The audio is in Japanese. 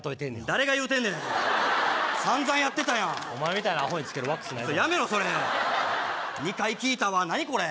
誰が言うてんねんさんざんやってたやんお前みたいなアホにつけるワックスないやめろそれ２回聞いたわ何これ？